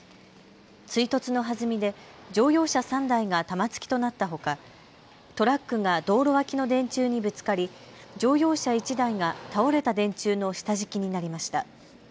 追突のはずみで乗用車３台が玉突きとなったほかトラックが道路脇の電柱にぶつかり、乗用車１台が倒れた電柱の下敷きになりました。